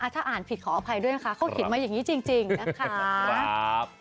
ถ้าอ่านผิดขออภัยด้วยนะคะเขาเขียนมาอย่างนี้จริงนะคะ